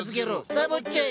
サボっちゃえ！